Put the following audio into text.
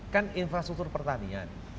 kan infrastruktur pertanian